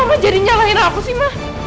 kok mama jadi nyalahin aku sih ma